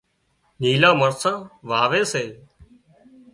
نيلان مرسان واوي سي